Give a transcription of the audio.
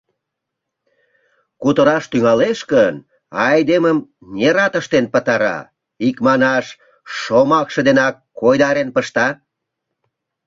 Кутыраш тӱҥалеш гын, айдемым нерат ыштен пытара, икманаш, шомакше денак койдарен пышта.